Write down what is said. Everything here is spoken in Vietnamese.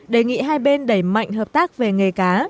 đề nghị hai bên đẩy mạnh hợp tác về nghề cá